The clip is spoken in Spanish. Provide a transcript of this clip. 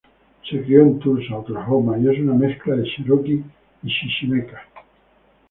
Se crio en Tulsa, Oklahoma, y es una mezcla de Cherokee y Chichimeca.